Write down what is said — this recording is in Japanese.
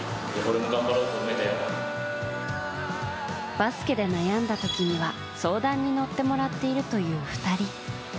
バスケで悩んだ時には相談に乗ってもらっているという２人。